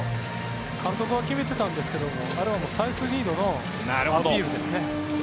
監督は決めていたんですがあれはサイスニードのアピールですね。